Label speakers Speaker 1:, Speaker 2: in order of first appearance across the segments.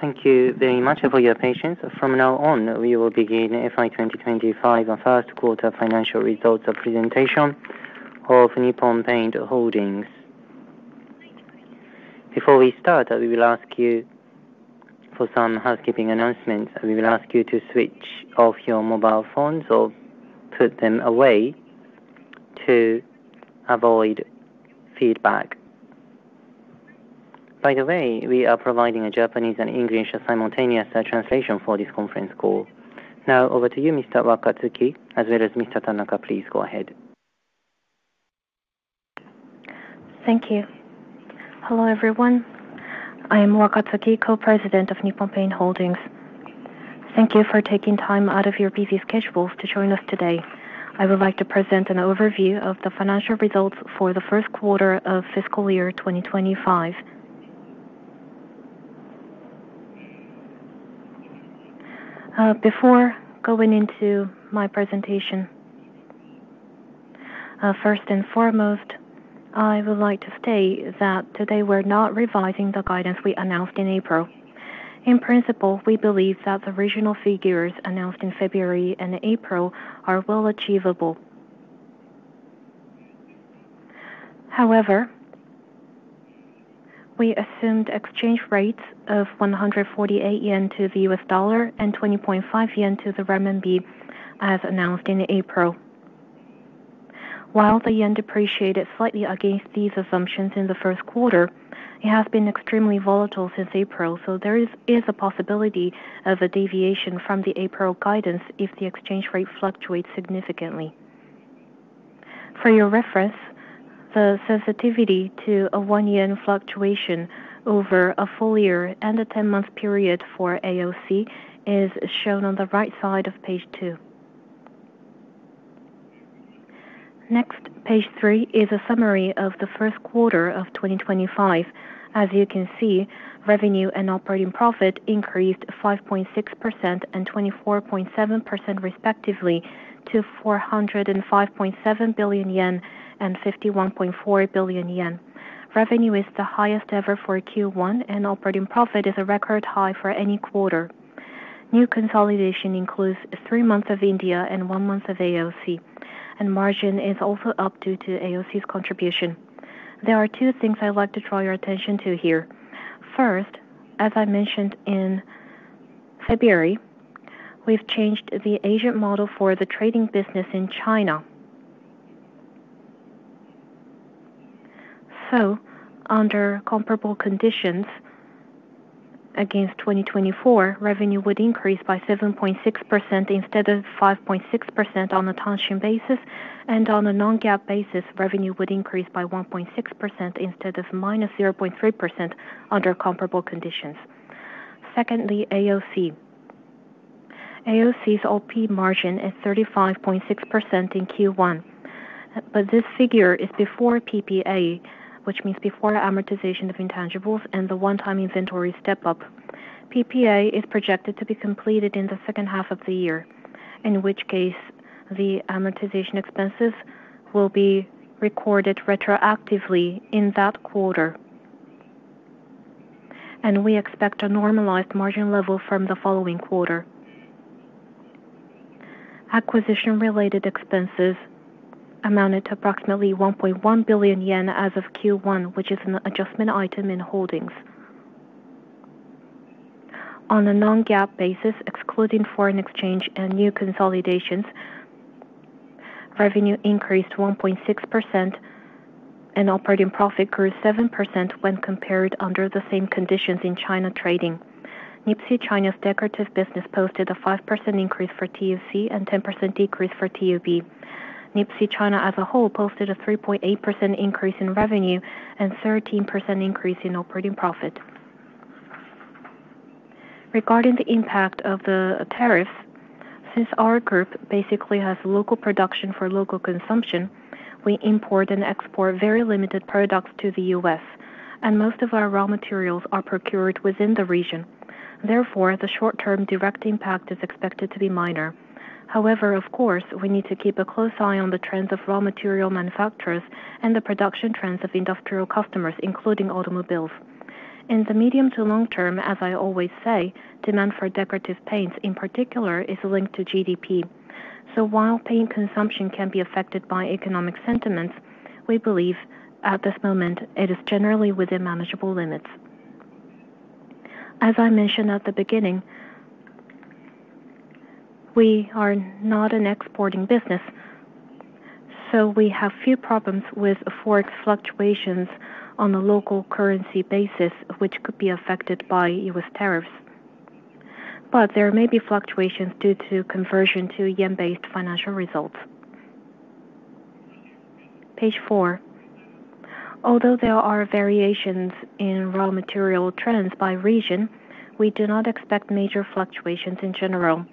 Speaker 1: Thank you very much for your patience. From now on, we will begin FY 2025 First Quarter Financial Results Presentation of Nippon Paint Holdings. Before we start, we will ask you for some housekeeping announcements. We will ask you to switch off your mobile phones or put them away to avoid feedback. By the way, we are providing a Japanese and English simultaneous translation for this conference call. Now, over to you, Mr. Wakatsuki, as well as Mr. Tanaka, please go ahead.
Speaker 2: Thank you. Hello, everyone. I am Yuichiro Wakatsuki, Co-president of Nippon Paint Holdings. Thank you for taking time out of your busy schedule to join us today. I would like to present an overview of the financial results for the first quarter of fiscal year 2025. Before going into my presentation, first and foremost, I would like to state that today we're not revising the guidance we announced in April. In principle, we believe that the regional figures announced in February and April are well achievable. However, we assumed exchange rates of 148 yen to the $1 and JPY 20.5 to the renminbi as announced in April. While the yen depreciated slightly against these assumptions in the first quarter, it has been extremely volatile since April, so there is a possibility of a deviation from the April guidance if the exchange rate fluctuates significantly. For your reference, the sensitivity to a one-year fluctuation over a full year and a 10-month period for AOC is shown on the right side of page two. Next, page three is a summary of the first quarter of 2025. As you can see, revenue and operating profit increased 5.6% and 24.7% respectively to 405.7 billion yen and 51.4 billion yen. Revenue is the highest ever for Q1, and operating profit is a record high for any quarter. New consolidation includes three months of India and one month of AOC, and margin is also up due to AOC's contribution. There are two things I'd like to draw your attention to here. First, as I mentioned in February, we've changed the agent model for the trading business in China. Under comparable conditions against 2024, revenue would increase by 7.6% instead of 5.6% on a tension basis, and on a non-GAAP basis, revenue would increase by 1.6% instead of -0.3% under comparable conditions. Secondly, AOC. AOC's OP margin is 35.6% in Q1, but this figure is before PPA, which means before amortization of intangibles and the one-time inventory step-up. PPA is projected to be completed in the second half of the year, in which case the amortization expenses will be recorded retroactively in that quarter, and we expect a normalized margin level from the following quarter. Acquisition-related expenses amounted to approximately 1.1 billion yen as of Q1, which is an adjustment item in holdings. On a non-GAAP basis, excluding foreign exchange and new consolidations, revenue increased 1.6%, and operating profit grew 7% when compared under the same conditions in China trading. NIPSEA China's decorative business posted a 5% increase for TUC and 10% decrease for TUB. NIPSEA China as a whole posted a 3.8% increase in revenue and 13% increase in operating profit. Regarding the impact of the tariffs, since our group basically has local production for local consumption, we import and export very limited products to the U.S., and most of our raw materials are procured within the region. Therefore, the short-term direct impact is expected to be minor. However, of course, we need to keep a close eye on the trends of raw material manufacturers and the production trends of industrial customers, including automobiles. In the medium to long term, as I always say, demand for decorative paints in particular is linked to GDP. While paint consumption can be affected by economic sentiments, we believe at this moment it is generally within manageable limits. As I mentioned at the beginning, we are not an exporting business, so we have few problems with forex fluctuations on a local currency basis, which could be affected by U.S. tariffs. There may be fluctuations due to conversion to yen-based financial results. Page four. Although there are variations in raw material trends by region, we do not expect major fluctuations in general.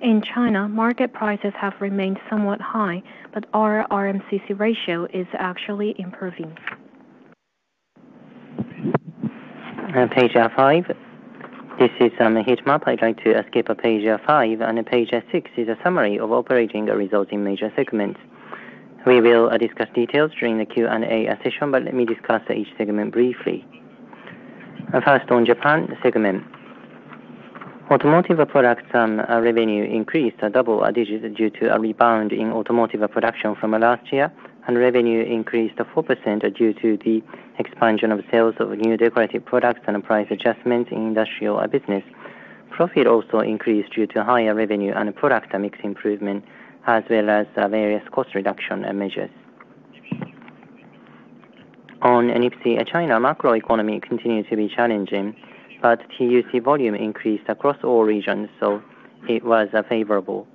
Speaker 2: In China, market prices have remained somewhat high, but our RMCC ratio is actually improving.
Speaker 3: Page five. This is Hitchmap. I'd like to skip page five, and page six is a summary of operating results in major segments. We will discuss details during the Q&A session, but let me discuss each segment briefly. First, on Japan segment. Automotive products and revenue increased double digits due to a rebound in automotive production from last year, and revenue increased 4% due to the expansion of sales of new decorative products and price adjustments in industrial business. Profit also increased due to higher revenue and product mix improvement, as well as various cost reduction measures. On NIPSEA China, macroeconomy continued to be challenging, but TUC volume increased across all regions, so it was favorable.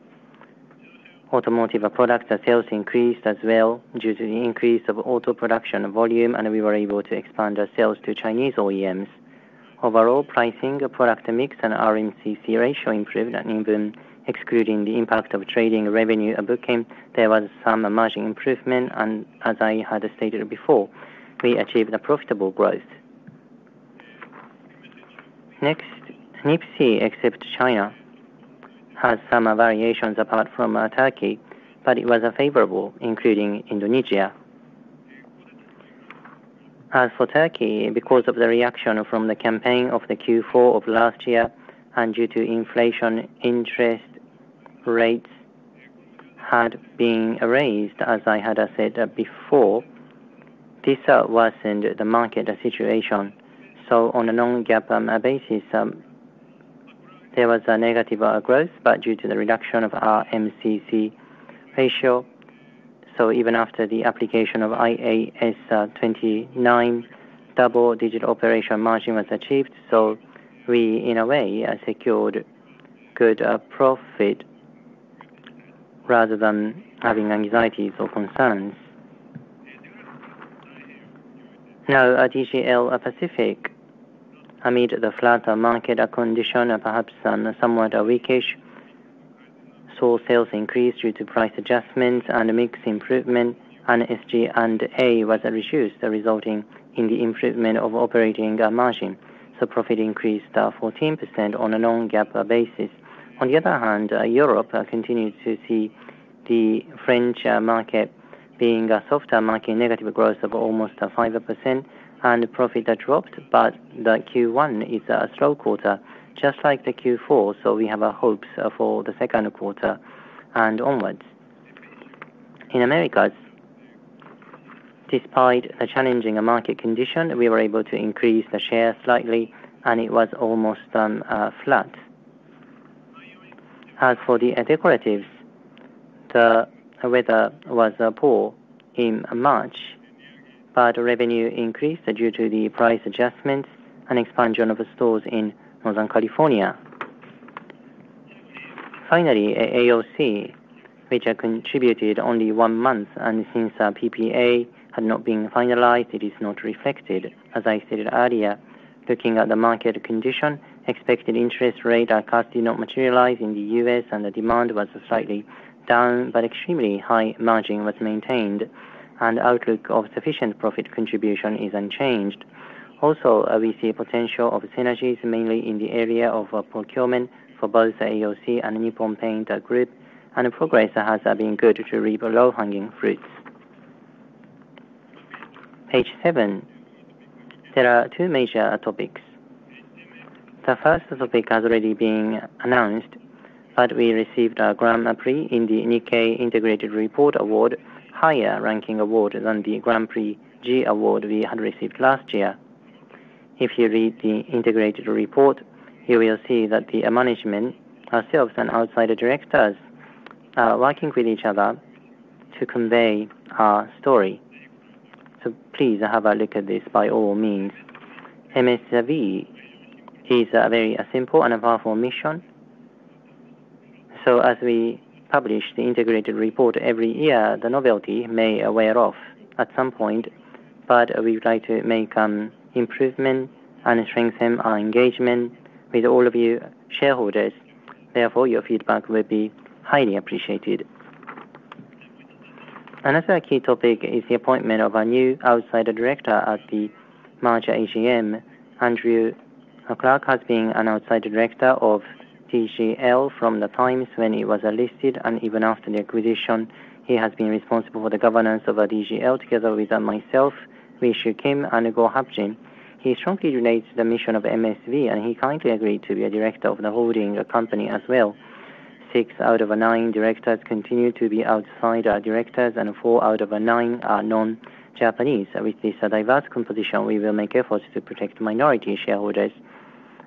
Speaker 3: Automotive product sales increased as well due to the increase of auto production volume, and we were able to expand sales to Chinese OEMs. Overall, pricing, product mix, and RMCC ratio improved, and even excluding the impact of trading revenue booking, there was some margin improvement, and as I had stated before, we achieved a profitable growth. Next, NIPSEA, except China, has some variations apart from Turkey, but it was favorable, including Indonesia. As for Turkey, because of the reaction from the campaign of Q4 of last year and due to inflation, interest rates had been raised, as I had said before, this worsened the market situation. On a non-GAAP basis, there was a negative growth, but due to the reduction of RMCC ratio, even after the application of IAS 29, double-digit operation margin was achieved, so we, in a way, secured good profit rather than having anxieties or concerns. Now, DGL Pacific, amid the flat market condition, perhaps somewhat weakish, saw sales increase due to price adjustments and mix improvement, and SG&A was reduced, resulting in the improvement of operating margin. Profit increased 14% on a non-GAAP basis. On the other hand, Europe continued to see the French market being a soft market, negative growth of almost 5%, and profit dropped, but the Q1 is a slow quarter, just like the Q4, so we have hopes for the second quarter and onwards. In Americas, despite the challenging market condition, we were able to increase the share slightly, and it was almost flat. As for the decoratives, the weather was poor in March, but revenue increased due to the price adjustments and expansion of stores in Northern California. Finally, AOC, which had contributed only one month, and since PPA had not been finalized, it is not reflected. As I stated earlier, looking at the market condition, expected interest rate cuts did not materialize in the U.S., and the demand was slightly down, but extremely high margin was maintained, and outlook of sufficient profit contribution is unchanged. Also, we see potential of synergies, mainly in the area of procurement for both AOC and Nippon Paint Group, and progress has been good to reap low-hanging fruits. Page seven, there are two major topics. The first topic has already been announced, but we received a Grand Prize in the NIKKEI Integrated Report Award, higher ranking award than the Grand Prize G Award we had received last year. If you read the integrated report, you will see that the management, ourselves and outside directors, are working with each other to convey our story. Please have a look at this by all means. MSV is a very simple and powerful mission. As we publish the integrated report every year, the novelty may wear off at some point, but we would like to make improvements and strengthen our engagement with all of you shareholders. Therefore, your feedback will be highly appreciated. Another key topic is the appointment of a new outside director at the merger AGM. Andrew Larke has been an outside director of DGL from the times when it was listed, and even after the acquisition, he has been responsible for the governance of DGL together with myself, Wee Siew Kim, and Goh Hup Jin. He strongly relates to the mission of MSV, and he kindly agreed to be a director of the holding company as well. Six out of nine directors continue to be outside directors, and four out of nine are non-Japanese. With this diverse composition, we will make efforts to protect minority shareholders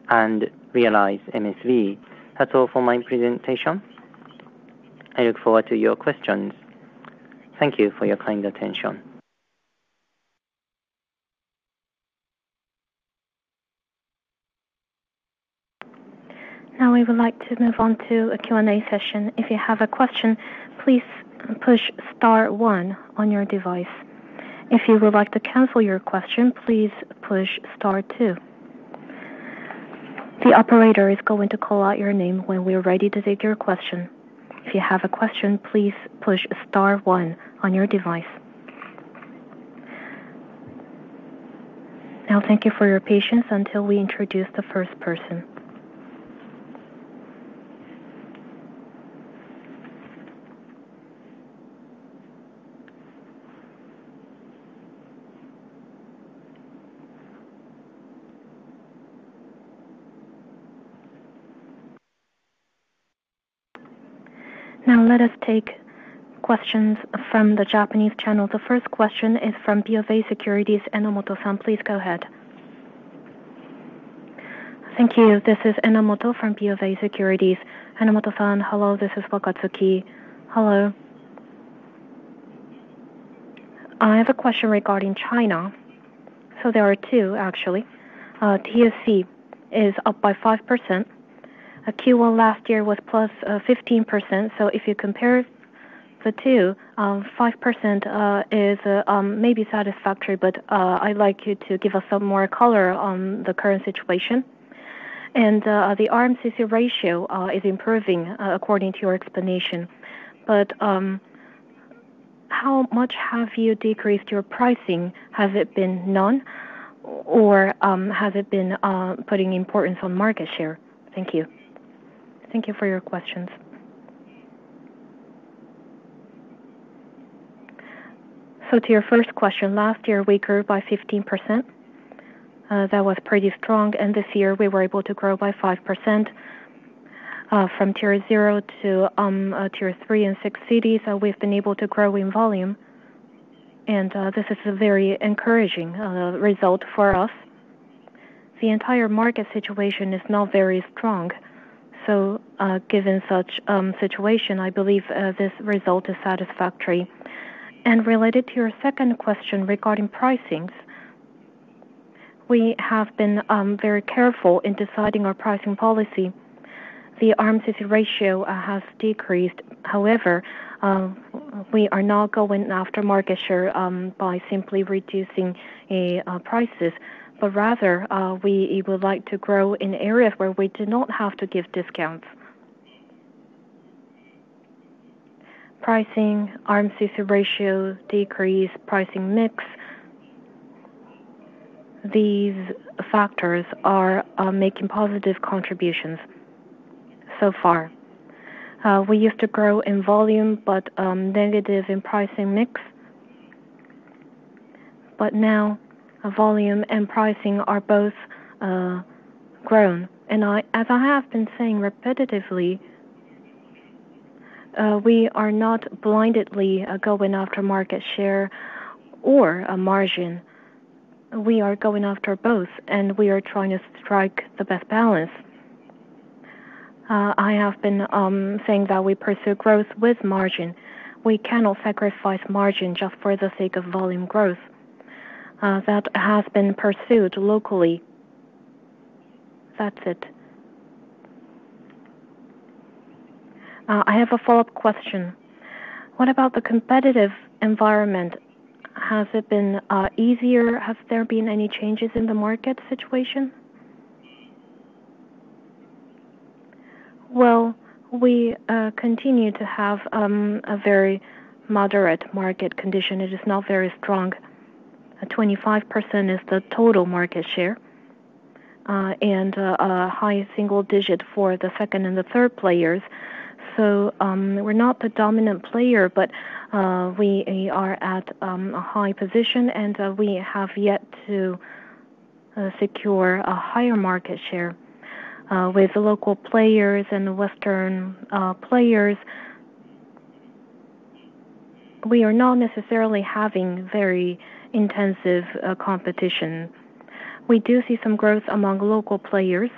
Speaker 3: and realize MSV. That's all for my presentation. I look forward to your questions. Thank you for your kind attention.
Speaker 1: Now, we would like to move on to a Q&A session. If you have a question, please push star one on your device. If you would like to cancel your question, please push star two. The operator is going to call out your name when we're ready to take your question. If you have a question, please push star one on your device. Now, thank you for your patience until we introduce the first person. Now, let us take questions from the Japanese channel. The first question is from BofA Securities, Enomoto-san. Please go ahead.
Speaker 4: Thank you. This is Enomoto from BofA Securities.
Speaker 2: Enomoto-san, hello, this is Wakatsuki.
Speaker 4: Hello. I have a question regarding China. There are two, actually. TUC is up by 5%. Q1 last year was +15%. If you compare the two, 5% is maybe satisfactory, but I'd like you to give us some more color on the current situation. The RMCC ratio is improving according to your explanation. How much have you decreased your pricing? Has it been none, or has it been putting importance on market share? Thank you.
Speaker 2: Thank you for your questions. To your first question, last year we grew by 15%. That was pretty strong. This year we were able to grow by 5% from tier zero to tier three in six cities. We've been able to grow in volume, and this is a very encouraging result for us. The entire market situation is now very strong. Given such situation, I believe this result is satisfactory. Related to your second question regarding pricing, we have been very careful in deciding our pricing policy. The RMCC ratio has decreased. However, we are not going after market share by simply reducing prices, but rather we would like to grow in areas where we do not have to give discounts. Pricing, RMCC ratio, decreased pricing mix, these factors are making positive contributions so far. We used to grow in volume, but negative in pricing mix. Now volume and pricing are both grown. As I have been saying repetitively, we are not blindedly going after market share or margin. We are going after both, and we are trying to strike the best balance. I have been saying that we pursue growth with margin. We cannot sacrifice margin just for the sake of volume growth. That has been pursued locally. That's it.
Speaker 4: I have a follow-up question. What about the competitive environment? Has it been easier? Has there been any changes in the market situation?
Speaker 2: We continue to have a very moderate market condition. It is now very strong. 25% is the total market share and a high single digit for the second and the third players. We are not the dominant player, but we are at a high position, and we have yet to secure a higher market share. With local players and Western players, we are not necessarily having very intensive competition. We do see some growth among local players.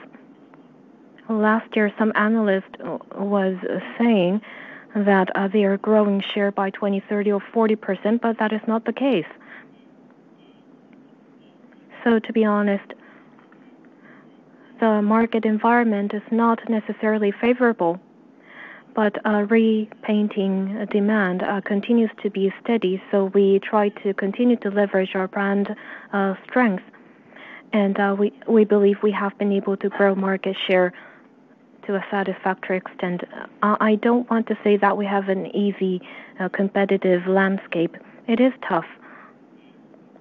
Speaker 2: Last year, some analysts were saying that they are growing share by 20%, 30%, or 40%, but that is not the case. To be honest, the market environment is not necessarily favorable, but repainting demand continues to be steady. We try to continue to leverage our brand strength, and we believe we have been able to grow market share to a satisfactory extent. I don't want to say that we have an easy competitive landscape. It is tough.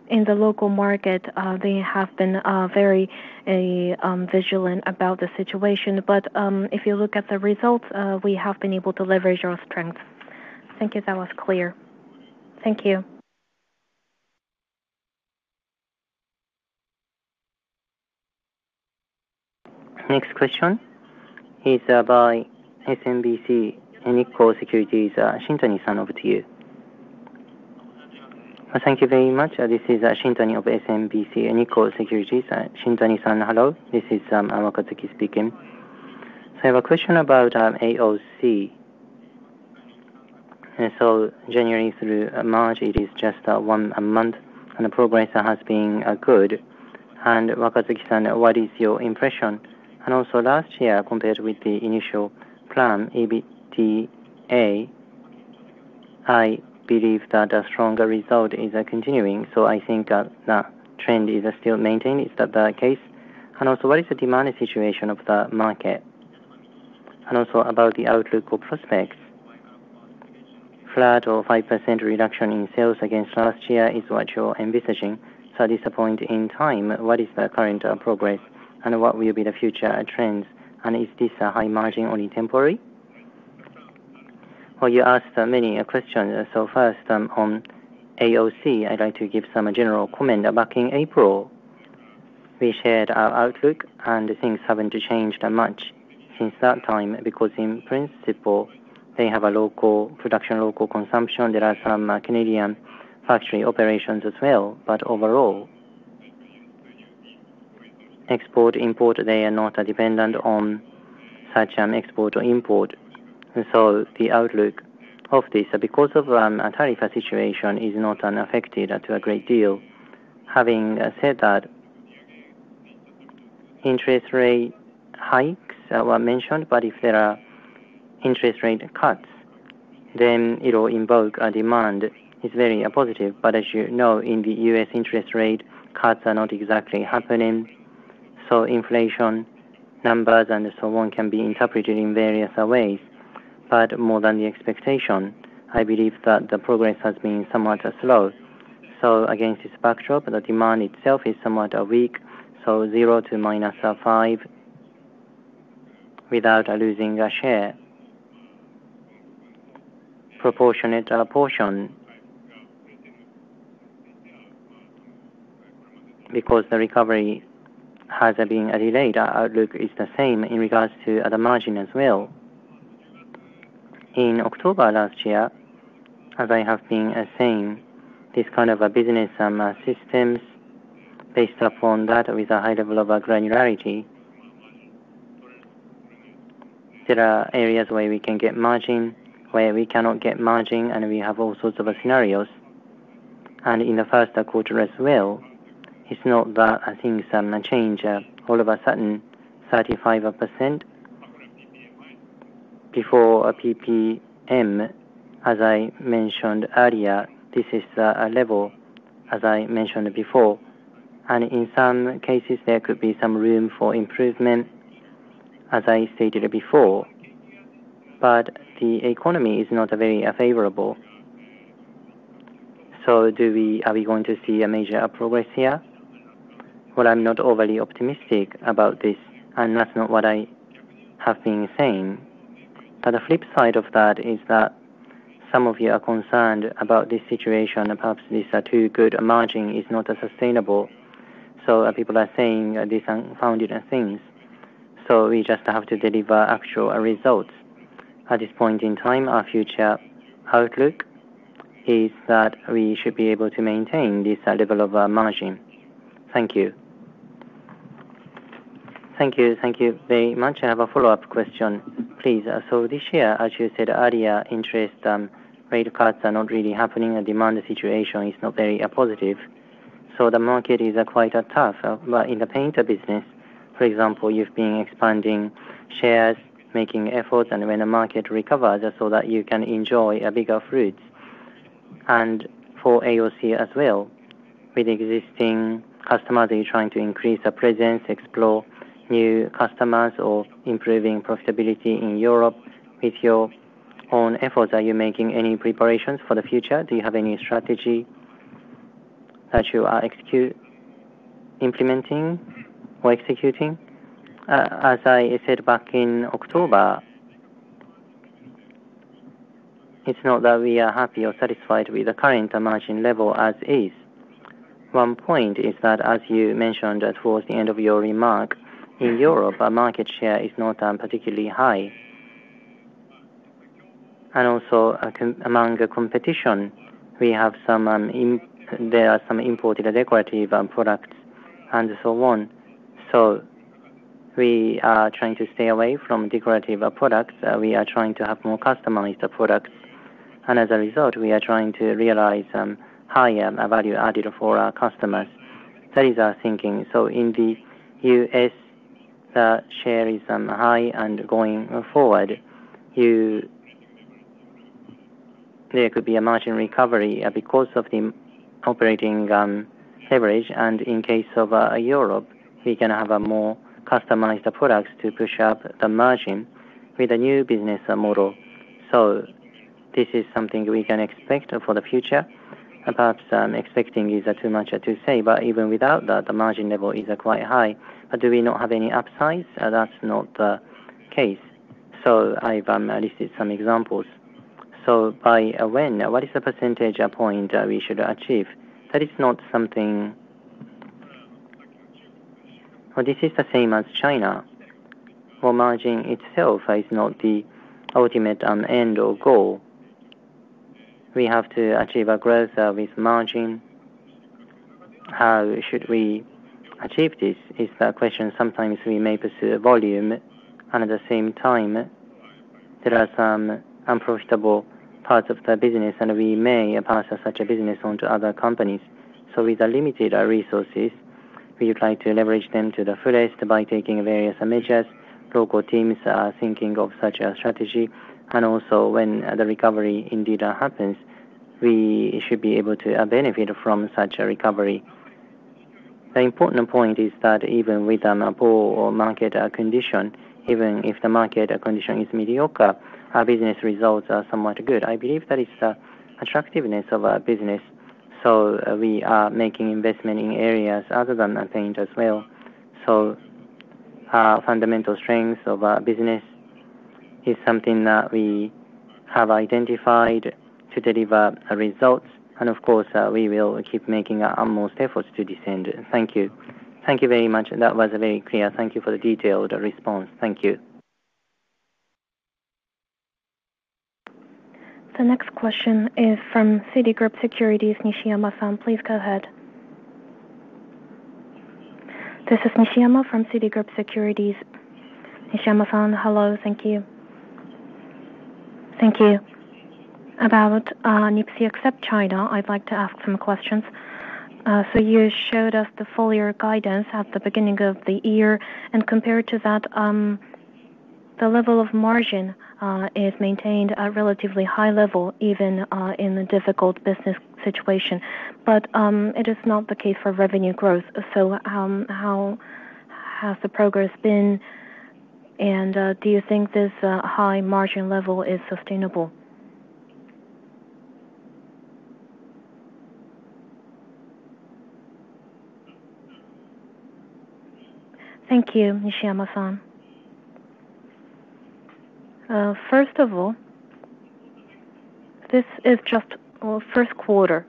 Speaker 2: In the local market, they have been very vigilant about the situation, but if you look at the results, we have been able to leverage our strength.
Speaker 4: Thank you. That was clear.
Speaker 2: Thank you.
Speaker 1: Next question is by SMBC Nikko Securities, Shintani-san, over to you.
Speaker 5: Thank you very much. This is Shintani of SMBC Nikko Securities.
Speaker 2: Shintani-san, hello. This is Wakatsuki speaking.
Speaker 5: I have a question about AOC. January through March, it is just one month, and the progress has been good. Wakatsuki-san, what is your impression? Also, last year, compared with the initial plan, EBITDA, I believe that a stronger result is continuing. I think that the trend is still maintained. Is that the case? Also, what is the demand situation of the market? Also, about the outlook or prospects, flat or 5% reduction in sales against last year is what you're envisaging. At this point in time, what is the current progress, and what will be the future trends? Is this high margin only temporary?
Speaker 2: You asked many questions. First, on AOC, I'd like to give some general comment. Back in April, we shared our outlook, and things have not changed much since that time because, in principle, they have local production, local consumption. There are some Canadian factory operations as well, but overall, export, import, they are not dependent on such export or import. The outlook of this, because of the tariff situation, is not affected to a great deal. Having said that, interest rate hikes were mentioned, but if there are interest rate cuts, then it will invoke a demand. It is very positive, but as you know, in the U.S., interest rate cuts are not exactly happening. Inflation numbers and so on can be interpreted in various ways, but more than the expectation, I believe that the progress has been somewhat slow. Against this backdrop, the demand itself is somewhat weak. 0% to 5% without losing share, proportionate proportion because the recovery has been delayed. Outlook is the same in regards to the margin as well. In October last year, as I have been saying, this kind of business systems, based upon that with a high level of granularity, there are areas where we can get margin, where we cannot get margin, and we have all sorts of scenarios. In the first quarter as well, it's not that things change. All of a sudden, 35% before PPA, as I mentioned earlier, this is a level, as I mentioned before. In some cases, there could be some room for improvement, as I stated before, but the economy is not very favorable.
Speaker 5: Are we going to see a major progress here?
Speaker 2: I'm not overly optimistic about this, and that's not what I have been saying. The flip side of that is that some of you are concerned about this situation. Perhaps this too good margin is not sustainable. People are saying these unfounded things. We just have to deliver actual results. At this point in time, our future outlook is that we should be able to maintain this level of margin. Thank you.
Speaker 5: Thank you. Thank you very much. I have a follow-up question, please. This year, as you said earlier, interest rate cuts are not really happening. Demand situation is not very positive. The market is quite tough. In the paint business, for example, you've been expanding shares, making efforts, and when the market recovers, you can enjoy bigger fruits. For AOC as well, with existing customers, are you trying to increase presence, explore new customers, or improving profitability in Europe with your own efforts? Are you making any preparations for the future? Do you have any strategy that you are implementing or executing?
Speaker 2: As I said back in October, it's not that we are happy or satisfied with the current margin level as is. One point is that, as you mentioned towards the end of your remark, in Europe, market share is not particularly high. Also, among competition, we have some imported decorative products and so on. We are trying to stay away from decorative products. We are trying to have more customized products. As a result, we are trying to realize higher value added for our customers. That is our thinking. In the U.S., the share is high, and going forward, there could be a margin recovery because of the operating leverage. In the case of Europe, we can have more customized products to push up the margin with a new business model. This is something we can expect for the future. Perhaps expecting is too much to say, but even without that, the margin level is quite high. Do we not have any upsides? That's not the case. I've listed some examples. By when, what is the percentage point we should achieve? That is not something this is the same as China. Margin itself is not the ultimate end or goal. We have to achieve growth with margin. How should we achieve this is the question. Sometimes we may pursue volume, and at the same time, there are some unprofitable parts of the business, and we may pass such a business on to other companies. With limited resources, we would like to leverage them to the fullest by taking various measures. Local teams are thinking of such a strategy. Also, when the recovery indeed happens, we should be able to benefit from such a recovery. The important point is that even with a poor market condition, even if the market condition is mediocre, our business results are somewhat good. I believe that is the attractiveness of our business. We are making investment in areas other than paint as well. Our fundamental strength of our business is something that we have identified to deliver results. Of course, we will keep making our most efforts to descend. Thank you.
Speaker 5: Thank you very much. That was very clear. Thank you for the detailed response. Thank you.
Speaker 1: The next question is from Citigroup Securities, Nishiyama-san. Please go ahead.
Speaker 6: This is Nishiyama from Citigroup Securities.
Speaker 2: Nishiyama-san, hello. Thank you.
Speaker 6: Thank you. About NIPSEA, except China, I'd like to ask some questions. You showed us the full year guidance at the beginning of the year, and compared to that, the level of margin is maintained at a relatively high level, even in a difficult business situation. It is not the case for revenue growth. How has the progress been? Do you think this high margin level is sustainable?
Speaker 2: Thank you, Nishiyama-san. First of all, this is just first quarter,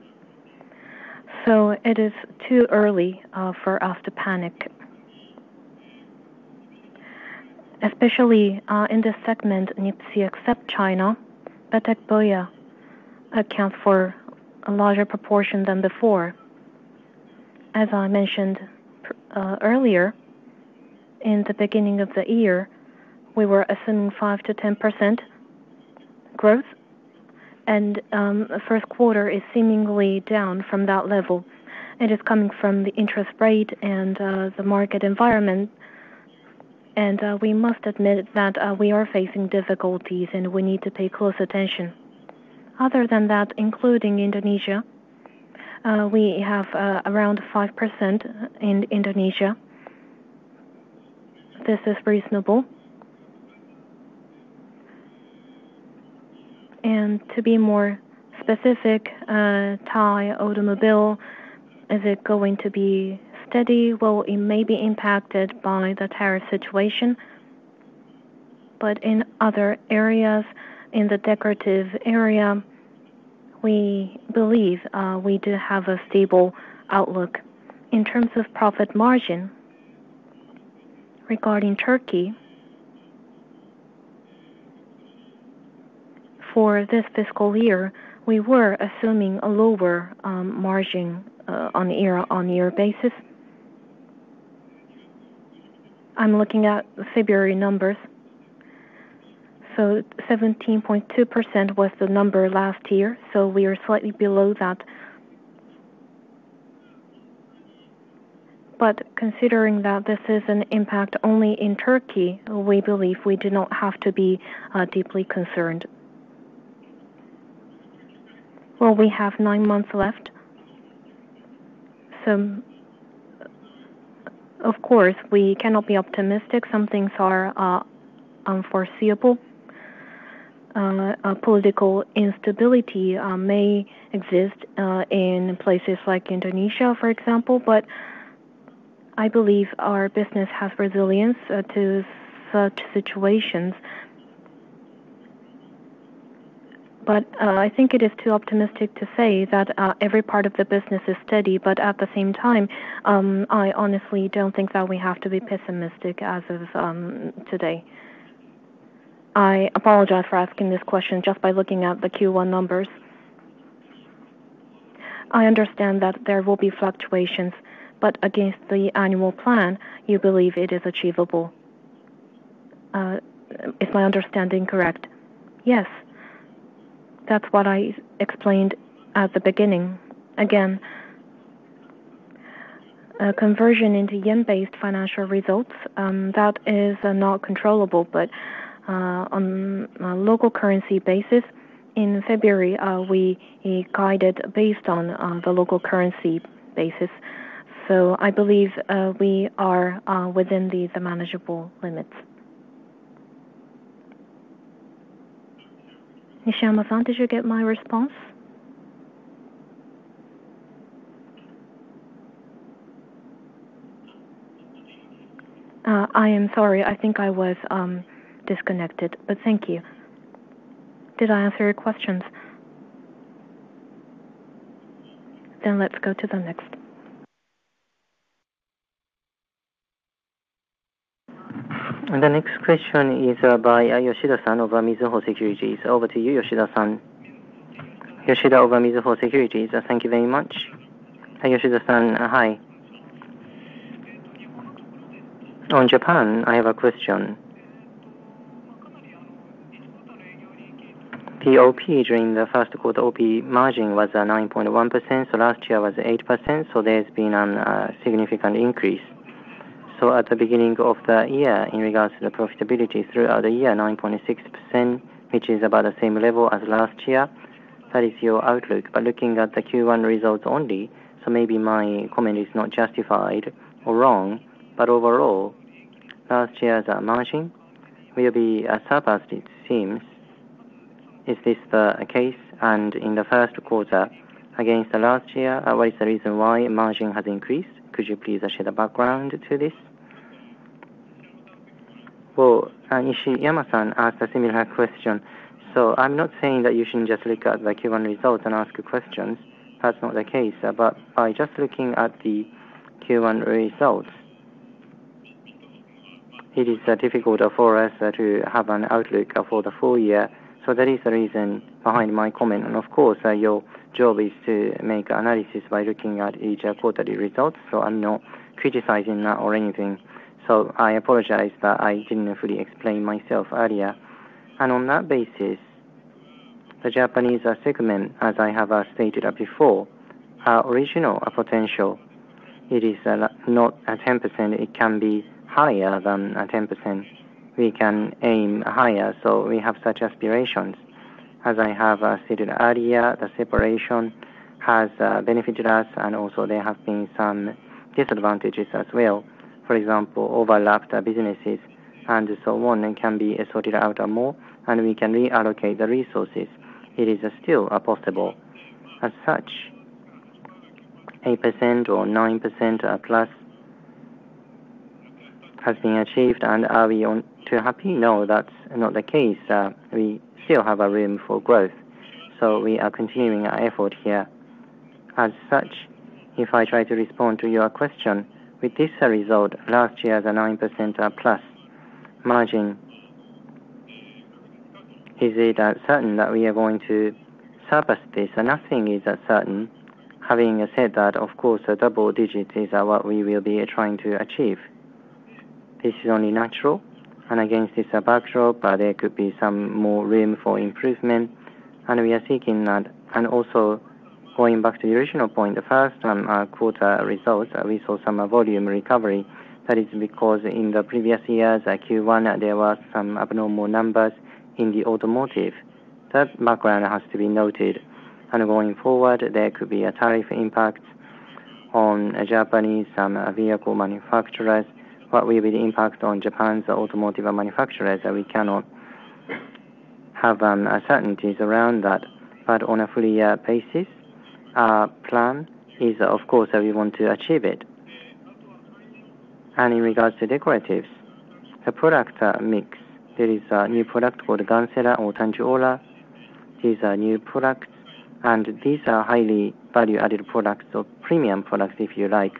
Speaker 2: so it is too early for us to panic, especially in the segment NIPSEA, except China, Betek Boya accounts for a larger proportion than before. As I mentioned earlier, in the beginning of the year, we were assuming 5%-10% growth, and first quarter is seemingly down from that level. It is coming from the interest rate and the market environment. We must admit that we are facing difficulties, and we need to pay close attention. Other than that, including Indonesia, we have around 5% in Indonesia. This is reasonable. To be more specific, Thai automobile, is it going to be steady? It may be impacted by the tariff situation. In other areas, in the decorative area, we believe we do have a stable outlook. In terms of profit margin, regarding Turkey, for this fiscal year, we were assuming a lower margin on a year-on-year basis. I'm looking at February numbers. 17.2% was the number last year, so we are slightly below that. Considering that this is an impact only in Turkey, we believe we do not have to be deeply concerned. We have nine months left. Of course, we cannot be optimistic. Some things are unforeseeable. Political instability may exist in places like Indonesia, for example, but I believe our business has resilience to such situations. I think it is too optimistic to say that every part of the business is steady. At the same time, I honestly do not think that we have to be pessimistic as of today.
Speaker 6: I apologize for asking this question just by looking at the Q1 numbers. I understand that there will be fluctuations, but against the annual plan, you believe it is achievable. Is my understanding correct?
Speaker 2: Yes. That is what I explained at the beginning. Again, conversion into yen-based financial results, that is not controllable. On a local currency basis, in February, we guided based on the local currency basis. I believe we are within the manageable limits. Nishiyama-san, did you get my response?
Speaker 6: I am sorry. I think I was disconnected. Thank you.
Speaker 2: Did I answer your questions? Let's go to the next.
Speaker 1: The next question is by Yoshida-san of Mizuho Securities. Over to you, Yoshida-san.
Speaker 7: Yoshida of Mizuho Securities, thank you very much.
Speaker 2: Yoshida-san, hi.
Speaker 7: On Japan, I have a question. The OP during the first quarter, OP margin was 9.1%. Last year was 8%. There has been a significant increase. At the beginning of the year, in regards to the profitability throughout the year, 9.6%, which is about the same level as last year. That is your outlook. Looking at the Q1 results only, maybe my comment is not justified or wrong. Overall, last year's margin will be surpassed, it seems. Is this the case? In the first quarter, against last year, what is the reason why margin has increased? Could you please share the background to this?
Speaker 2: Nishiyama-san asked a similar question. I'm not saying that you shouldn't just look at the Q1 results and ask questions. That's not the case. By just looking at the Q1 results, it is difficult for us to have an outlook for the full year. That is the reason behind my comment. Of course, your job is to make analysis by looking at each quarterly results. I'm not criticizing or anything. I apologize that I didn't fully explain myself earlier. On that basis, the Japanese segment, as I have stated before, our original potential, it is not 10%. It can be higher than 10%. We can aim higher. We have such aspirations. As I have stated earlier, the separation has benefited us, and also there have been some disadvantages as well. For example, overlapped businesses and so on can be sorted out more, and we can reallocate the resources. It is still possible. As such, 8% or 9%+ has been achieved, and are we too happy? No, that's not the case. We still have room for growth. We are continuing our effort here. If I try to respond to your question, with this result, last year's 9%+ margin, is it certain that we are going to surpass this? Nothing is certain. Having said that, of course, double digits is what we will be trying to achieve. This is only natural. Against this backdrop, there could be some more room for improvement. We are seeking that. Also, going back to the original point, the first quarter results, we saw some volume recovery. That is because in the previous years, Q1, there were some abnormal numbers in the automotive. That background has to be noted. Going forward, there could be a tariff impact on Japanese vehicle manufacturers. What will be the impact on Japan's automotive manufacturers? We cannot have certainties around that. On a full year basis, our plan is, of course, we want to achieve it. In regards to decoratives, the product mix, there is a new product called Ganzera or Tanjiola. These are new products, and these are highly value-added products or premium products, if you like.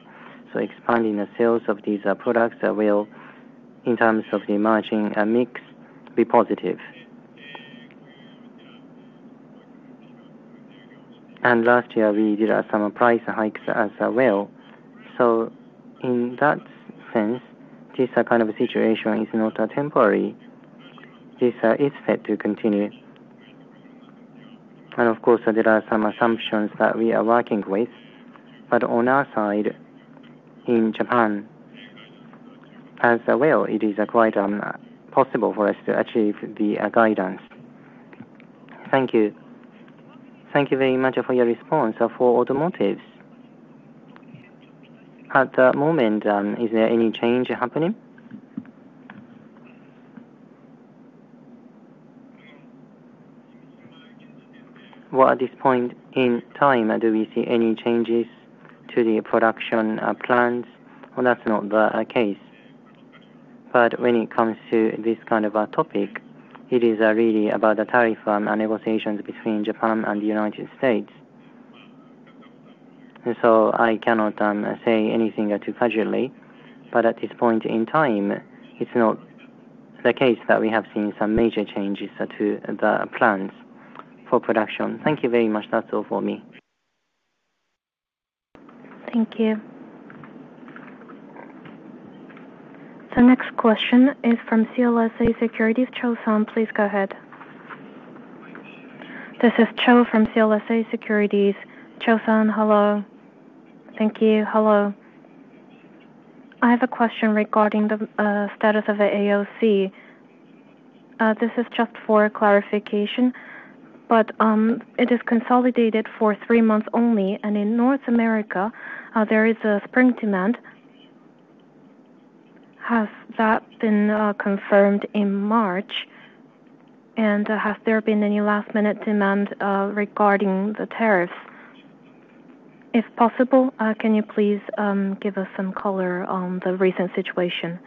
Speaker 2: Expanding the sales of these products will, in terms of the margin mix, be positive. Last year, we did some price hikes as well. In that sense, this kind of situation is not temporary. This is set to continue. Of course, there are some assumptions that we are working with. On our side, in Japan as well, it is quite possible for us to achieve the guidance.
Speaker 7: Thank you. Thank you very much for your response. For automotives, at the moment, is there any change happening?
Speaker 2: At this point in time, do we see any changes to the production plans? That is not the case. When it comes to this kind of topic, it is really about the tariff negotiations between Japan and the United States. I cannot say anything too casually. At this point in time, it is not the case that we have seen some major changes to the plans for production.
Speaker 7: Thank you very much. That is all for me.
Speaker 1: Thank you. The next question is from CLSA Securities, Cho-san, please go ahead.
Speaker 8: This is Cho from CLSA Securities.
Speaker 2: Cho-san, hello.
Speaker 8: Thank you. Hello. I have a question regarding the status of the AOC. This is just for clarification. It is consolidated for three months only. In North America, there is a spring demand. Has that been confirmed in March? Has there been any last-minute demand regarding the tariffs? If possible, can you please give us some color on the recent situation?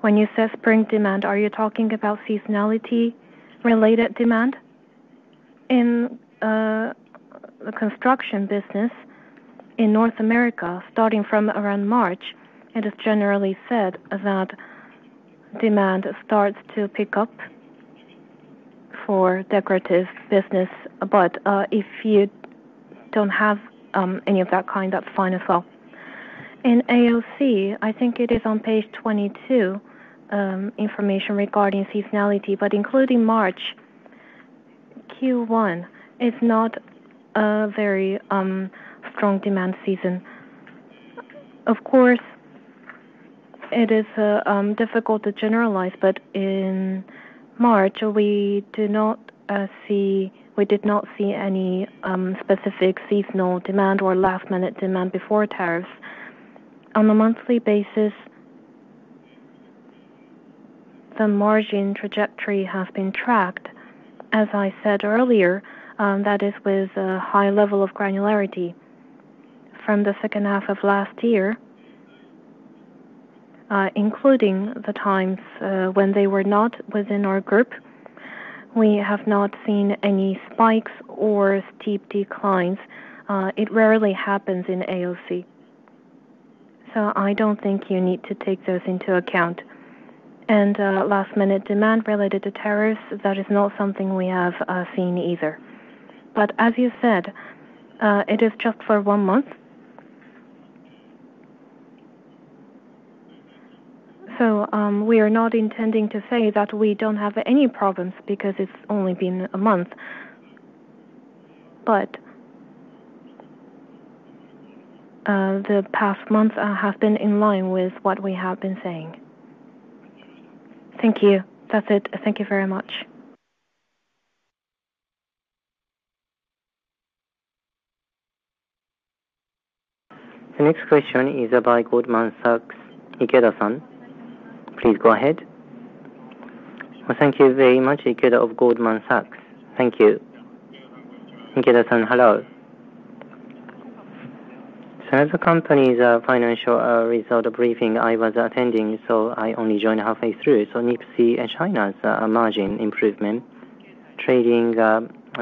Speaker 2: When you say spring demand, are you talking about seasonality-related demand? In the construction business in North America, starting from around March, it is generally said that demand starts to pick up for decorative business. If you do not have any of that kind, that is fine as well. In AOC, I think it is on page 22, information regarding seasonality. Including March, Q1 is not a very strong demand season. Of course, it is difficult to generalize. In March, we did not see any specific seasonal demand or last-minute demand before tariffs. On a monthly basis, the margin trajectory has been tracked. As I said earlier, that is with a high level of granularity. From the second half of last year, including the times when they were not within our group, we have not seen any spikes or steep declines. It rarely happens in AOC. I do not think you need to take those into account. Last-minute demand related to tariffs, that is not something we have seen either. As you said, it is just for one month. We are not intending to say that we do not have any problems because it has only been a month. The past month has been in line with what we have been saying.
Speaker 8: Thank you. That's it. Thank you very much.
Speaker 1: The next question is by Goldman Sachs, Ikeda-san. Please go ahead.
Speaker 9: Thank you very much, Ikeda of Goldman Sachs. Thank you.
Speaker 2: Ikeda-san, hello.
Speaker 9: As a company's financial result briefing, I was attending, so I only joined halfway through. NIPSEA China’s margin improvement, trading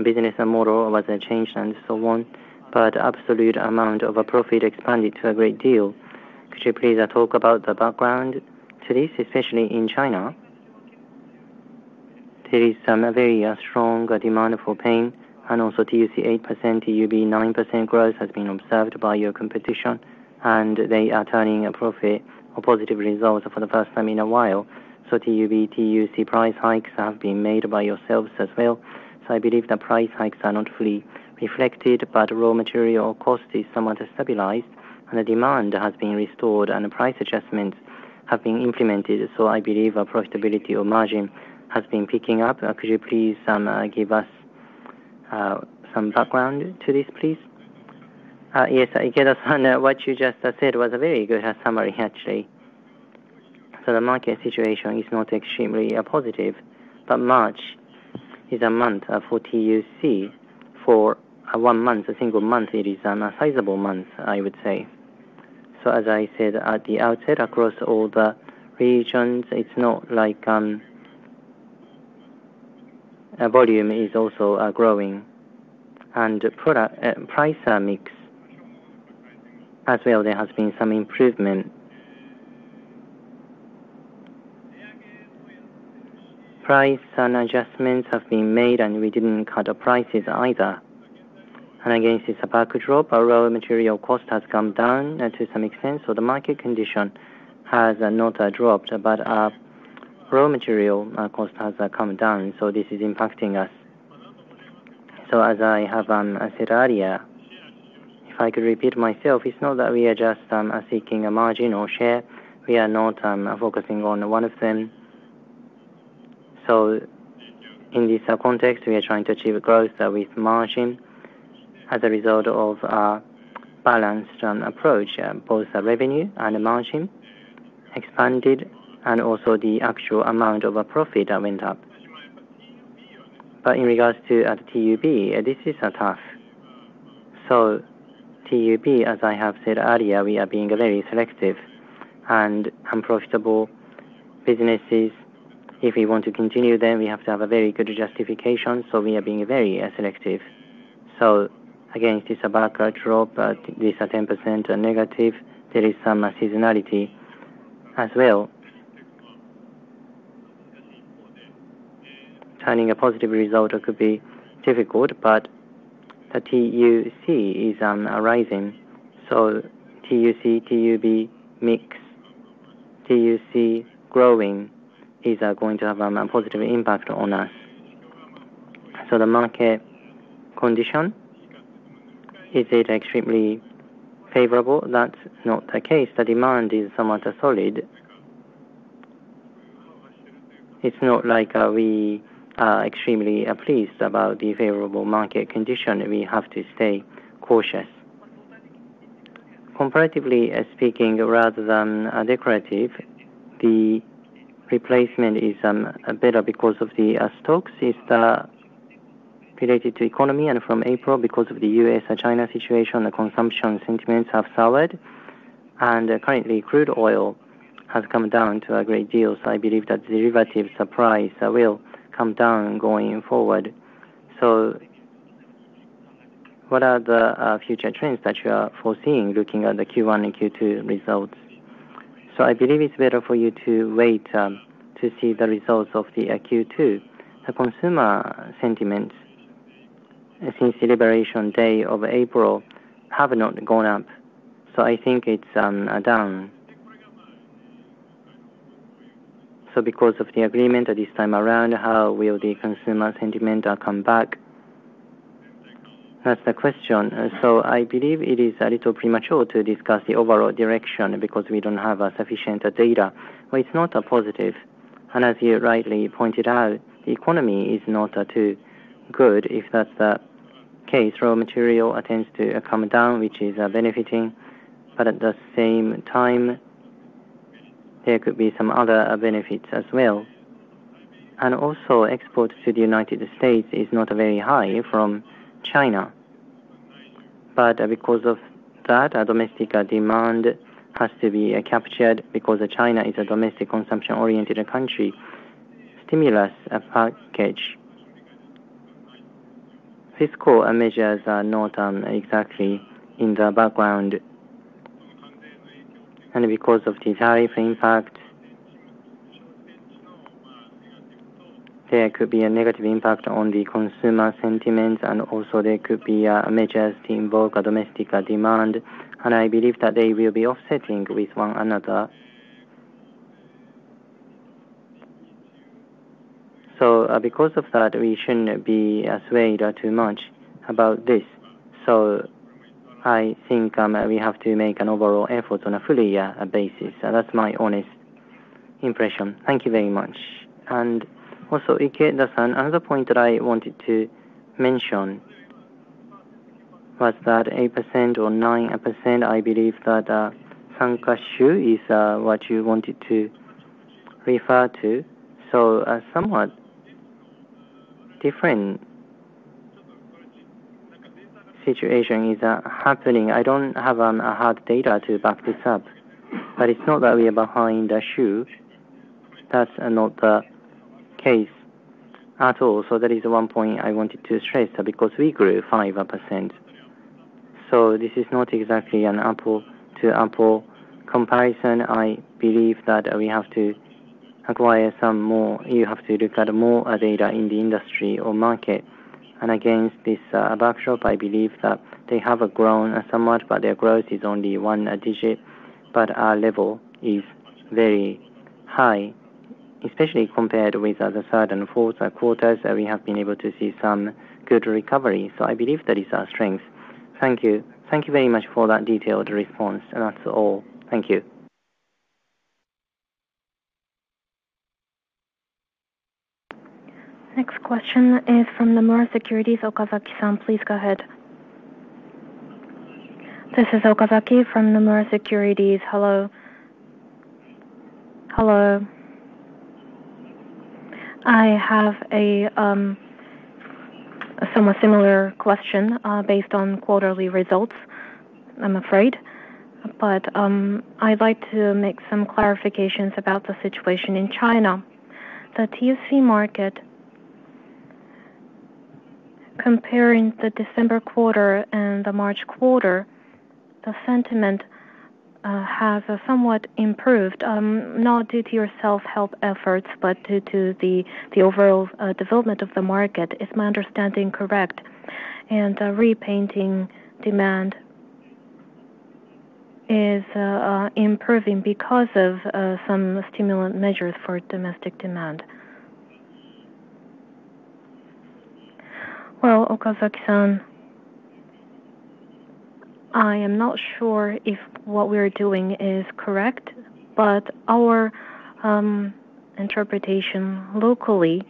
Speaker 9: business model was changed and so on. Absolute amount of profit expanded to a great deal. Could you please talk about the background to this, especially in China? There is some very strong demand for paint. Also, TUC 8%, TUB 9% growth has been observed by your competition. They are turning a profit or positive result for the first time in a while. TUB, TUC price hikes have been made by yourselves as well. I believe the price hikes are not fully reflected. Raw material cost is somewhat stabilized. The demand has been restored. Price adjustments have been implemented. I believe profitability or margin has been picking up. Could you please give us some background to this, please?
Speaker 2: Yes, Ikeda-san, what you just said was a very good summary, actually. The market situation is not extremely positive. March is a month for TUC. For one month, a single month, it is a sizable month, I would say. As I said at the outset, across all the regions, it's not like volume is also growing. Price mix as well, there has been some improvement. Price adjustments have been made, and we did not cut prices either. Against this backdrop, raw material cost has come down to some extent. The market condition has not dropped. Raw material cost has come down. This is impacting us. As I have said earlier, if I could repeat myself, it's not that we are just seeking a margin or share. We are not focusing on one of them. In this context, we are trying to achieve growth with margin as a result of a balanced approach. Both revenue and margin expanded, and also the actual amount of profit went up. In regards to TUB, this is tough. TUB, as I have said earlier, we are being very selective. Unprofitable businesses, if we want to continue them, we have to have a very good justification. We are being very selective. Against this backdrop, this 10% negative, there is some seasonality as well. Turning a positive result could be difficult. The TUC is rising. TUC, TUB mix, TUC growing is going to have a positive impact on us. The market condition, is it extremely favorable? That's not the case. The demand is somewhat solid. It's not like we are extremely pleased about the favorable market condition. We have to stay cautious. Comparatively speaking, rather than decorative, the replacement is better because of the stocks related to economy. From April, because of the U.S.-China situation, the consumption sentiments have soured. Currently, crude oil has come down to a great deal. I believe that derivatives price will come down going forward.
Speaker 9: What are the future trends that you are foreseeing looking at the Q1 and Q2 results?
Speaker 2: I believe it's better for you to wait to see the results of the Q2. The consumer sentiment since Liberation Day of April have not gone up. I think it's down.
Speaker 9: Because of the agreement this time around, how will the consumer sentiment come back?
Speaker 2: That's the question. I believe it is a little premature to discuss the overall direction because we don't have sufficient data. It is not a positive. As you rightly pointed out, the economy is not too good. If that's the case, raw material tends to come down, which is benefiting. At the same time, there could be some other benefits as well. Also, exports to the United States is not very high from China. Because of that, domestic demand has to be captured because China is a domestic consumption-oriented country. Stimulus package, fiscal measures are not exactly in the background. Because of the tariff impact, there could be a negative impact on the consumer sentiment. There could be measures to invoke domestic demand. I believe that they will be offsetting with one another. Because of that, we shouldn't be swayed too much about this. I think we have to make an overall effort on a full year basis. That's my honest impression. Thank you very much. Also, Ikeda-san, another point that I wanted to mention was that 8% or 9%, I believe that Sankashu is what you wanted to refer to. A somewhat different situation is happening. I don't have hard data to back this up. It's not that we are behind a shoe. That's not the case at all. That is one point I wanted to stress because we grew 5%. This is not exactly an apple-to-apple comparison. I believe that we have to acquire some more; you have to look at more data in the industry or market. Against this backdrop, I believe that they have grown somewhat. Their growth is only one digit. Our level is very high, especially compared with the third and fourth quarters that we have been able to see some good recovery. I believe that is our strength.
Speaker 9: Thank you. Thank you very much for that detailed response. That is all. Thank you.
Speaker 1: Next question is from Nomura Securities, Okazaki-san. Please go ahead.
Speaker 10: This is Okazaki from Nomura Securities. Hello.
Speaker 2: Hello.
Speaker 10: I have a somewhat similar question based on quarterly results, I'm afraid. I would like to make some clarifications about the situation in China. The TUC market, comparing the December quarter and the March quarter, the sentiment has somewhat improved, not due to your self-help efforts, but due to the overall development of the market, if my understanding is correct. Repainting. Demand is improving because of some stimulant measures for domestic demand.
Speaker 2: Okazaki-san, I am not sure if what we are doing is correct. Our interpretation locally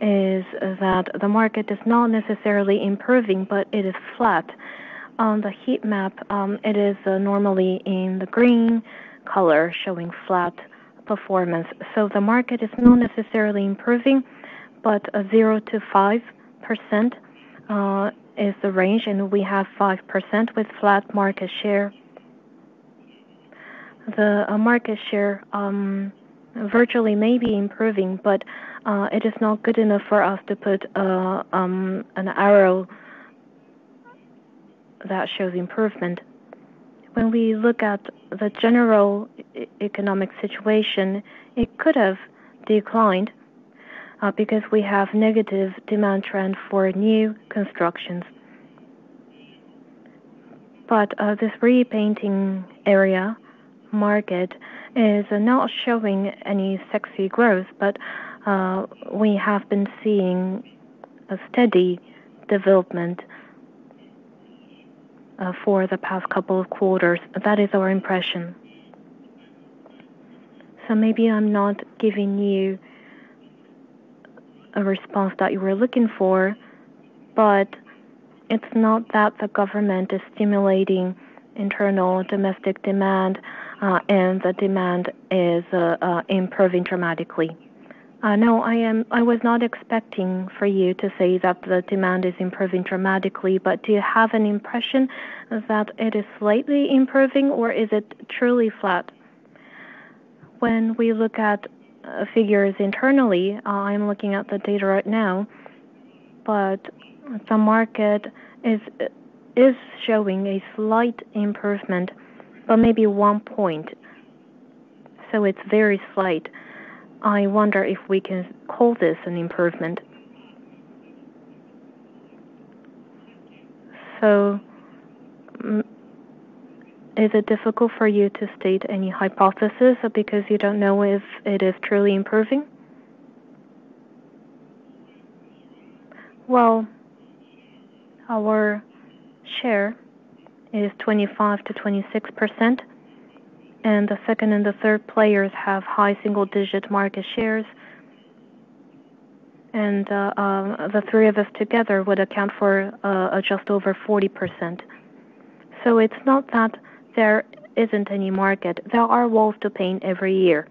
Speaker 2: is that the market is not necessarily improving, but it is flat. On the heat map, it is normally in the green color showing flat performance. The market is not necessarily improving, but 0%-5% is the range. We have 5% with flat market share. The market share virtually may be improving, but it is not good enough for us to put an arrow that shows improvement. When we look at the general economic situation, it could have declined because we have a negative demand trend for new constructions. This repainting area market is not showing any sexy growth. We have been seeing a steady development for the past couple of quarters. That is our impression. Maybe I'm not giving you a response that you were looking for. It is not that the government is stimulating internal domestic demand, and the demand is improving dramatically.
Speaker 10: No, I was not expecting for you to say that the demand is improving dramatically. Do you have an impression that it is slightly improving, or is it truly flat?
Speaker 2: When we look at figures internally, I'm looking at the data right now. The market is showing a slight improvement, but maybe one point. It is very slight. I wonder if we can call this an improvement.
Speaker 10: Is it difficult for you to state any hypothesis because you do not know if it is truly improving?
Speaker 2: Our share is 25-26%. The second and the third players have high single-digit market shares. The three of us together would account for just over 40%. It is not that there is not any market. There are walls to paint every year.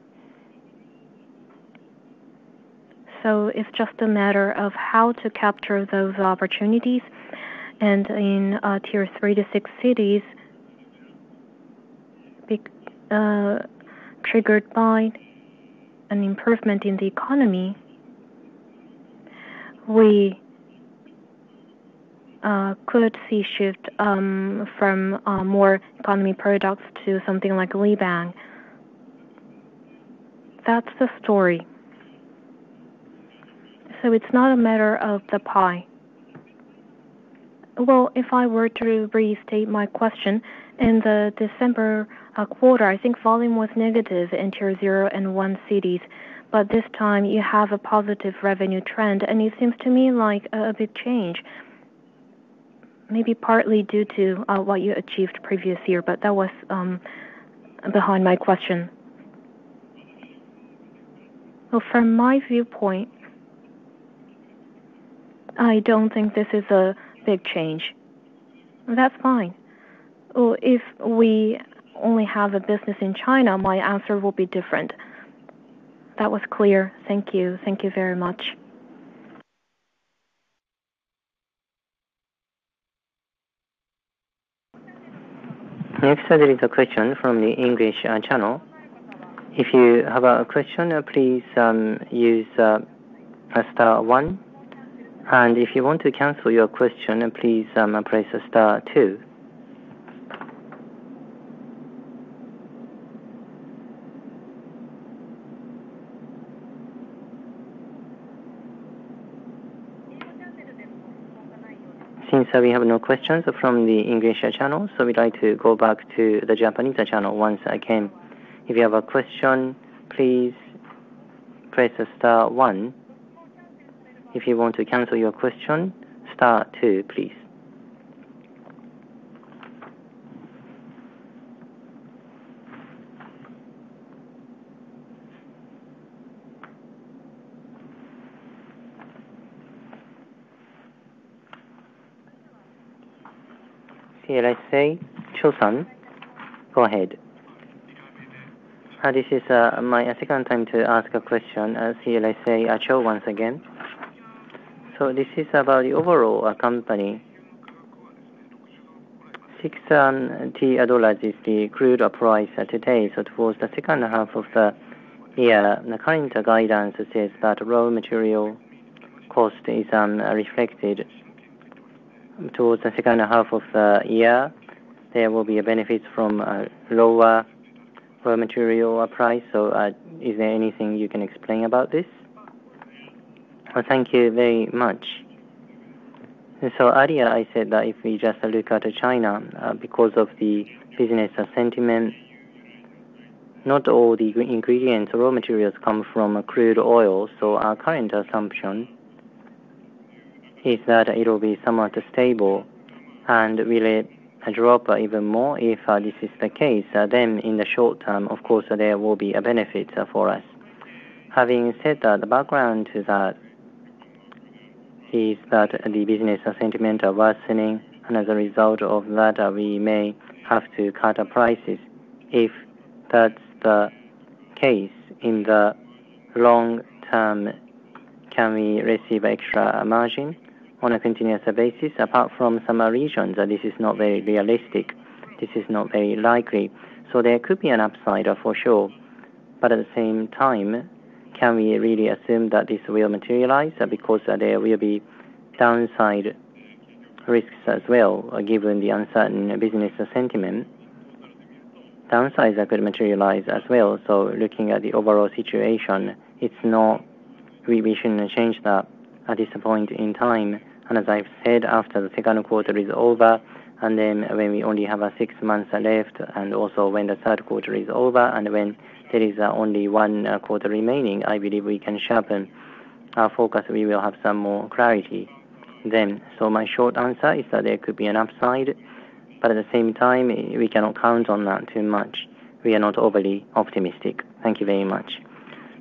Speaker 2: It is just a matter of how to capture those opportunities. In tier three to six cities, triggered by an improvement in the economy, we could see shift from more economy products to something like LiBang. That is the story. It is not a matter of the pie.
Speaker 10: If I were to restate my question, in the December quarter, I think volume was negative in tier zero and one cities. This time, you have a positive revenue trend. It seems to me like a big change, maybe partly due to what you achieved previous year. That was behind my question.
Speaker 2: From my viewpoint, I do not think this is a big change.
Speaker 10: That is fine.
Speaker 2: If we only have a business in China, my answer will be different.
Speaker 10: That was clear. Thank you. Thank you very much.
Speaker 1: Next, there is a question from the English channel. If you have a question, please use star one. If you want to cancel your question, please press star two. Since we have no questions from the English channel, we would like to go back to the Japanese channel once again. If you have a question, please press star one. If you want to cancel your question, star two, please. CLSA, Cho-san, go ahead.
Speaker 8: This is my second time to ask a question. CLSA, Cho once again. This is about the overall company. $60 is the crude price today. Towards the second half of the year, the current guidance says that raw material cost is reflected. Towards the second half of the year, there will be a benefit from lower raw material price. Is there anything you can explain about this?
Speaker 2: Thank you very much. Earlier, I said that if we just look at China because of the business sentiment, not all the ingredients or raw materials come from crude oil. Our current assumption is that it will be somewhat stable. Will it drop even more? If this is the case, then in the short term, of course, there will be a benefit for us. Having said that, the background is that the business sentiment is worsening. As a result of that, we may have to cut prices. If that's the case, in the long term, can we receive extra margin on a continuous basis? Apart from some regions, this is not very realistic. This is not very likely. There could be an upside for sure. At the same time, can we really assume that this will materialize? Because there will be downside risks as well, given the uncertain business sentiment. Downside could materialize as well. Looking at the overall situation, we should not change that at this point in time. As I have said, after the second quarter is over, and then when we only have six months left, and also when the third quarter is over, and when there is only one quarter remaining, I believe we can sharpen our focus. We will have some more clarity then. My short answer is that there could be an upside. At the same time, we cannot count on that too much. We are not overly optimistic. Thank you very much.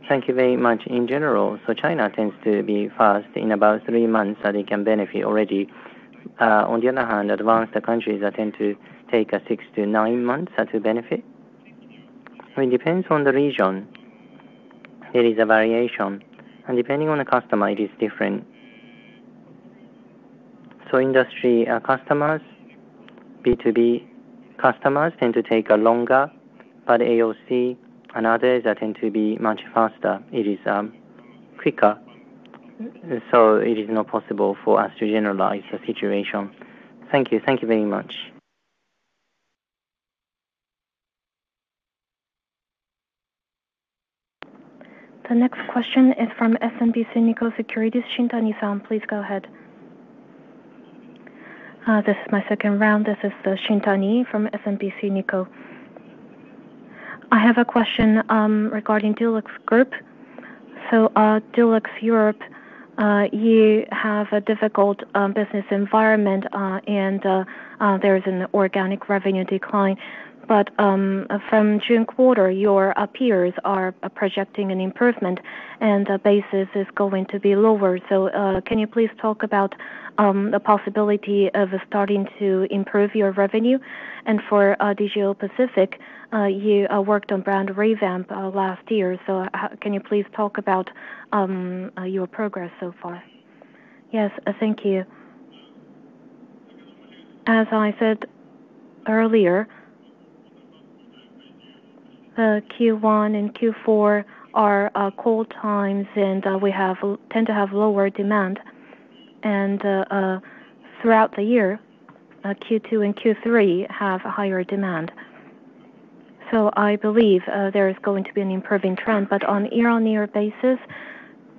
Speaker 8: Thank you very much. In general, China tends to be fast. In about three months, they can benefit already. On the other hand, advanced countries tend to take six to nine months to benefit.
Speaker 2: It depends on the region. There is a variation. Depending on the customer, it is different. Industry customers, B2B customers tend to take longer. AOC and others tend to be much faster. It is quicker. It is not possible for us to generalize the situation.
Speaker 8: Thank you. Thank you very much.
Speaker 1: The next question is from SMBC Nikko Securities, Shintani-san. Please go ahead.
Speaker 5: This is my second round. This is Shintani from SMBC Nikko. I have a question regarding DuluxGroup. DuluxGroup Europe, you have a difficult business environment, and there is an organic revenue decline. From the June quarter, your peers are projecting an improvement, and the basis is going to be lower. Can you please talk about the possibility of starting to improve your revenue? For DGL Pacific, you worked on brand revamp last year. Can you please talk about your progress so far?
Speaker 2: Yes. Thank you. As I said earlier, Q1 and Q4 are cold times, and we tend to have lower demand. Throughout the year, Q2 and Q3 have higher demand. I believe there is going to be an improving trend. On a year-on-year basis,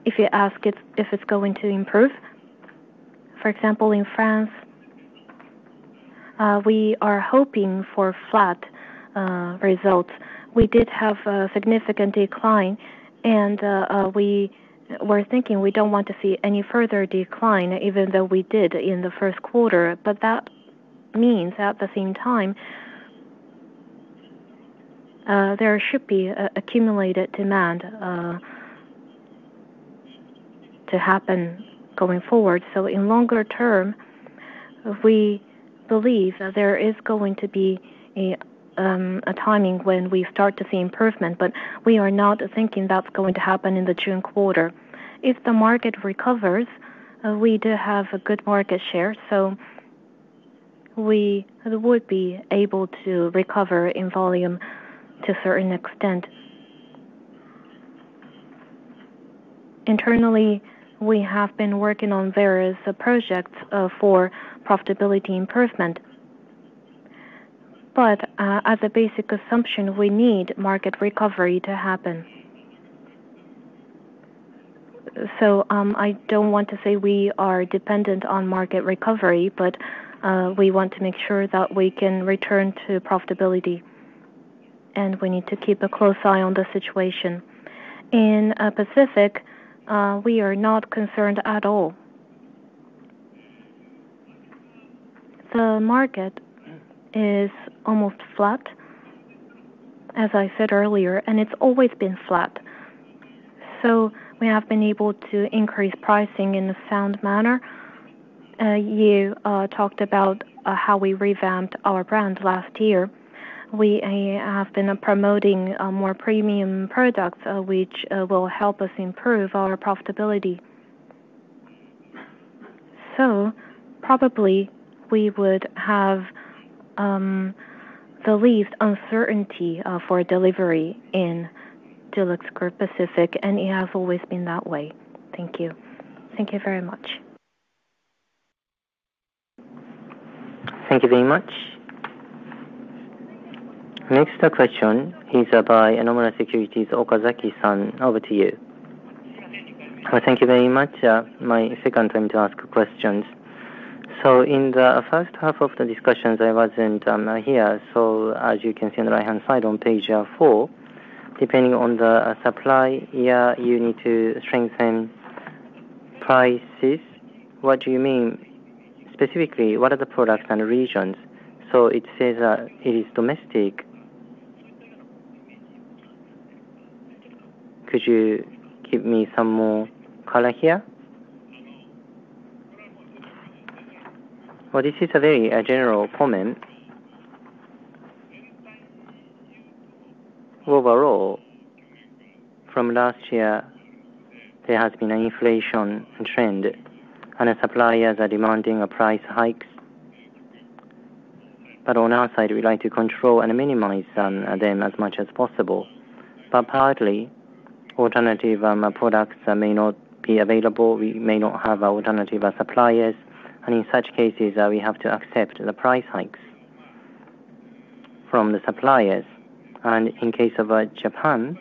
Speaker 2: if you ask if it's going to improve, for example, in France, we are hoping for flat results. We did have a significant decline. We were thinking we don't want to see any further decline, even though we did in the first quarter. That means at the same time, there should be accumulated demand to happen going forward. In the longer term, we believe that there is going to be a timing when we start to see improvement. We are not thinking that's going to happen in the June quarter. If the market recovers, we do have a good market share. We would be able to recover in volume to a certain extent. Internally, we have been working on various projects for profitability improvement. As a basic assumption, we need market recovery to happen. I don't want to say we are dependent on market recovery, but we want to make sure that we can return to profitability. We need to keep a close eye on the situation. In Pacific, we are not concerned at all. The market is almost flat, as I said earlier. It has always been flat. We have been able to increase pricing in a sound manner. You talked about how we revamped our brand last year. We have been promoting more premium products, which will help us improve our profitability. Probably, we would have the least uncertainty for delivery in DuluxGroup Pacific. It has always been that way. Thank you.
Speaker 5: Thank you very much.
Speaker 1: Thank you very much. Next question is by Nomura Securities, Okazaki-san. Over to you.
Speaker 10: Thank you very much. My second time to ask questions. In the first half of the discussion, I wasn't here. As you can see on the right-hand side on page four, depending on the supply year, you need to strengthen prices. What do you mean? Specifically, what are the products and regions? It says that it is domestic. Could you give me some more color here?
Speaker 2: This is a very general comment. Overall, from last year, there has been an inflation trend. The suppliers are demanding price hikes. On our side, we like to control and minimize them as much as possible. Partly, alternative products may not be available. We may not have alternative suppliers. In such cases, we have to accept the price hikes from the suppliers. In case of Japan,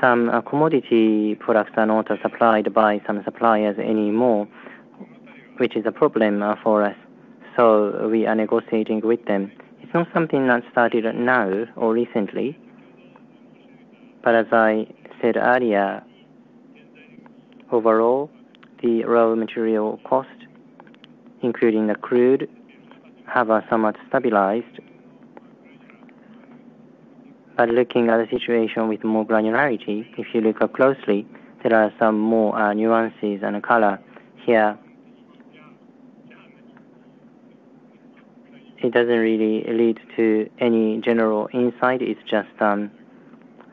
Speaker 2: some commodity products are not supplied by some suppliers anymore, which is a problem for us. We are negotiating with them. It's not something that started now or recently. As I said earlier, overall, the raw material cost, including the crude, have somewhat stabilized. Looking at the situation with more granularity, if you look closely, there are some more nuances and color here. It does not really lead to any general insight. It is just an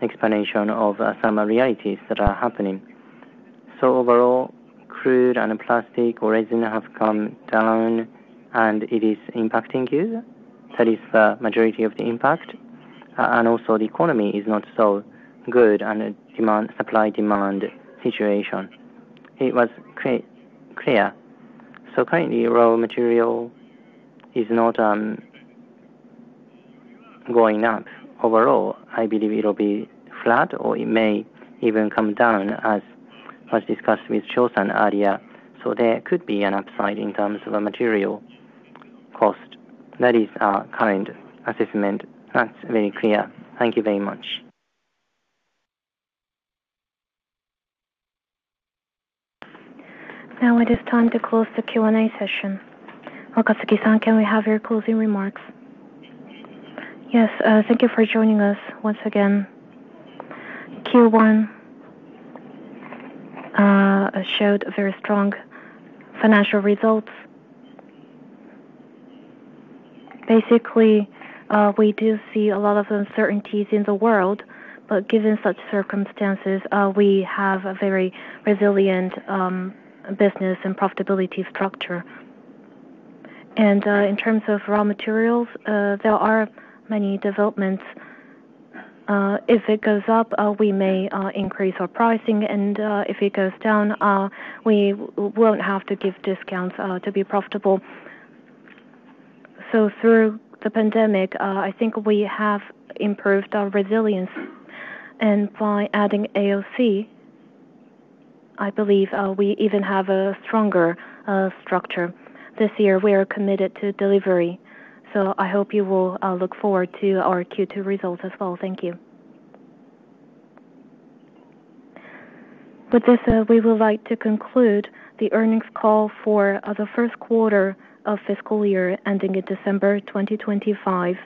Speaker 2: explanation of some realities that are happening. Overall, crude and plastic resin have come down, and it is impacting you. That is the majority of the impact. Also, the economy is not so good in the supply-demand situation. It was clear. Currently, raw material is not going up. Overall, I believe it will be flat, or it may even come down, as was discussed with Cho-san earlier. There could be an upside in terms of material cost. That is our current assessment.
Speaker 10: That's very clear. Thank you very much.
Speaker 1: Now, it is time to close the Q&A session. Wakatsuki-san, can we have your closing remarks? Yes. Thank you for joining us once again. Q1 showed very strong financial results. Basically, we do see a lot of uncertainties in the world. Given such circumstances, we have a very resilient business and profitability structure. In terms of raw materials, there are many developments. If it goes up, we may increase our pricing. If it goes down, we will not have to give discounts to be profitable. Through the pandemic, I think we have improved our resilience. By adding AOC, I believe we even have a stronger structure. This year, we are committed to delivery. I hope you will look forward to our Q2 results as well. Thank you. With this, we would like to conclude the earnings call for the first quarter of fiscal year ending in December 2025.